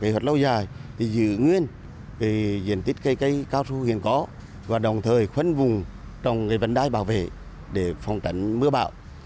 kế hoạch lâu dài thì giữ nguyên về diện tích cây cao su hiện có và đồng thời khuấn vùng trong cái vấn đai bảo vệ để phong tránh mưa bão